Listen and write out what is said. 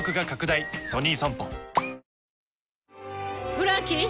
フランキー。